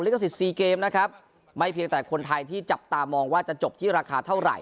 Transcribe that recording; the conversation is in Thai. ขสิทธิเกมนะครับไม่เพียงแต่คนไทยที่จับตามองว่าจะจบที่ราคาเท่าไหร่